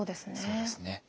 そうですね。